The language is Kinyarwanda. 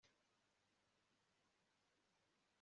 Sinigeze nkora cyane